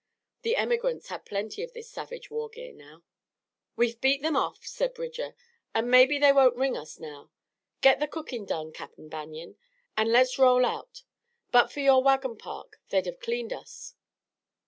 The emigrants had plenty of this savage war gear now. "We've beat them off," said Bridger, "an' maybe they won't ring us now. Get the cookin' done, Cap'n Banion, an' let's roll out. But for your wagon park they'd have cleaned us."